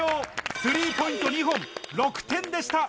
スリーポイント２本、６点でした。